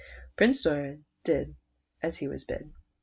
Prince Doran did as he was bid.